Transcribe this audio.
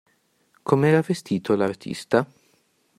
Com'era vestito, l'artista?